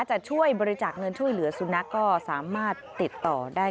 จะช่วยบริจาคเงินช่วยเหลือสุนัขก็สามารถติดต่อได้